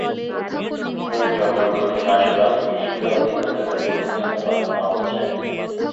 বকেয়া বেতনের জন্য প্রতি মাসে প্রাথমিক শিক্ষা অধিদপ্তরে প্রতিবেদন পাঠানো হচ্ছে।